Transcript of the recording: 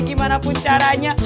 gimana pun caranya